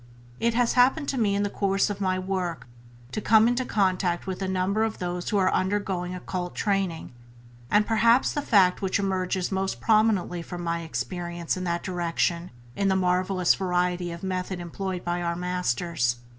It has happened to me in the course of my work to come into contact with a number of those who are undergoing occult training; and perhaps the fact which emerges most prominently from my experience in that direction in the marvellous variety of method employed by our Masters.